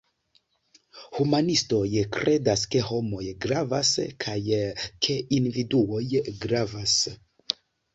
Humanistoj kredas ke homoj gravas, kaj ke individuoj gravas.